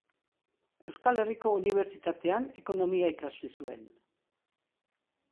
Euskal Herriko Unibertsitatean ekonomia ikasi zuen.